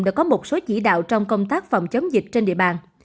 đã có một số chỉ đạo trong công tác phòng chống dịch trên địa bàn